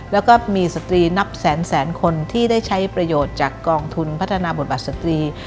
แล้วก็มีสตรีนับแสนแสนคนที่ได้ใช้ประโยชน์จากกองทุนพัฒนาบทบัตรสตรี